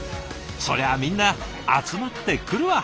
そりゃあみんな集まってくるわ。